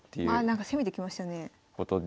なんか攻めてきましたね。